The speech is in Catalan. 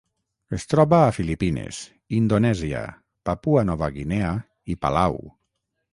Es troba a Filipines, Indonèsia, Papua Nova Guinea i Palau.